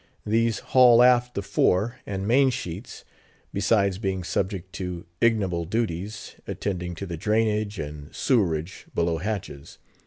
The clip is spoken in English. These haul aft the fore and main sheets, besides being subject to ignoble duties; attending to the drainage and sewerage below hatches.